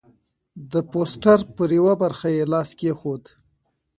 د پوسټر پر یوه برخه یې لاس کېښود.